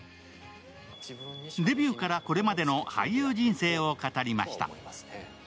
デビューからこれまでの俳優人生を語りました。